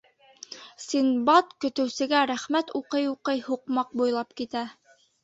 Синдбад, көтөүсегә рәхмәт уҡый-уҡый, һуҡмаҡ буйлап китә.